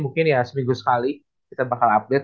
mungkin ya seminggu sekali kita bakal update